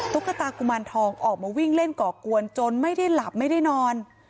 ตุ๊กตากุมารทองออกมาวิ่งเล่นก่อกวนจนไม่ได้หลับไม่ได้นอน